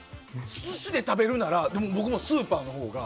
寿司で食べるなら、僕もスーパーのほうが。